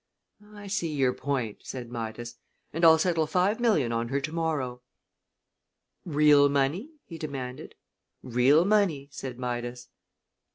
"I see your point," said Midas, "and I'll settle five million on her to morrow." "Real money?" he demanded. "Real money," said Midas.